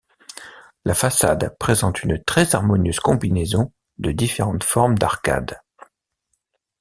La façade présente une très harmonieuse combinaison de différentes formes d'arcades.